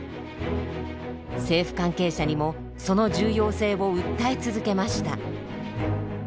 政府関係者にもその重要性を訴え続けました。